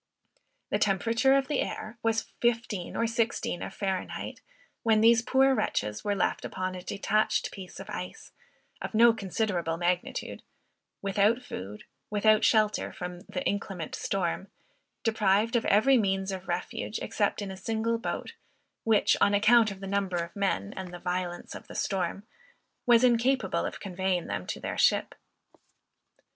The temperature of the air was 15 or 16 of Fahr. when these poor wretches were left upon a detached piece of ice, of no considerable magnitude, without food, without shelter from the inclement storm, deprived of every means of refuge except in a single boat, which, on account of the number of men, and the violence of the storm, was incapable of conveying them to their ship.